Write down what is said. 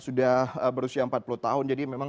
sudah berusia empat puluh tahun jadi memang